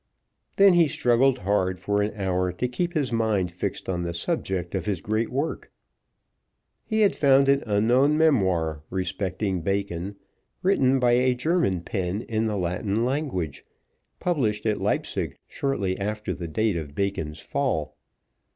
Then he struggled hard for an hour to keep his mind fixed on the subject of his great work. He had found an unknown memoir respecting Bacon, written by a German pen in the Latin language, published at Leipzig shortly after the date of Bacon's fall.